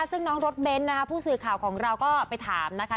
ซึ่งน้องรถเบนท์นะคะผู้สื่อข่าวของเราก็ไปถามนะคะ